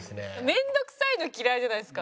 面倒くさいの嫌いじゃないですか。